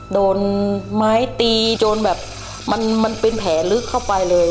โดนไม้ตีโดนแบบมันเป็นแผลลึกเข้าไปเลย